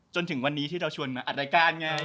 จนถึงวันนี้ที่เราชวนมาอัดรายการไง